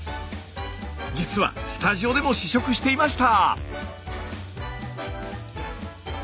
実はスタジオでも試食していました。